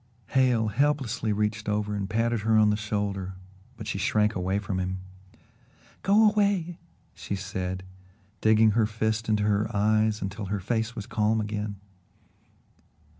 Hale helplessly reached over and patted her on the shoulder, but she shrank away from him. "Go away!" she said, digging her fist into her eyes until her face was calm again.